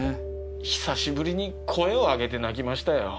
久しぶりに声を上げて泣きましたよ。